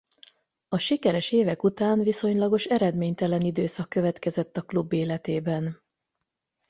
A sikeres évek után viszonylagos eredménytelen időszak következett a klub életében.